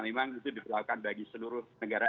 memang itu diperlakukan bagi seluruh negara